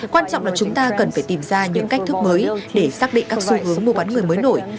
quan trọng là chúng ta cần phải tìm ra những cách thức mới để xác định các xu hướng mua bán người mới nổi